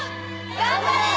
頑張れ！